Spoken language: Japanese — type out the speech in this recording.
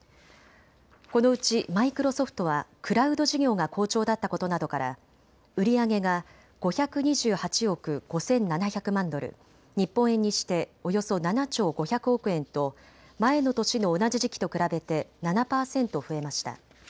このうちマイクロソフトはクラウド事業が好調だったことなどから売り上げが５２８億５７００万ドル、日本円にしておよそ７兆５００億円と前の年の同じ時期と比べて７％増えました。